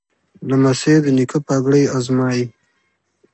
لمسی د نیکه پګړۍ ازمایي.